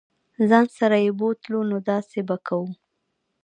ځان سره یې بوتلو نو داسې به کوو.